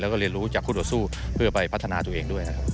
แล้วก็เรียนรู้จากคู่ต่อสู้เพื่อไปพัฒนาตัวเองด้วยนะครับ